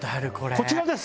こちらです。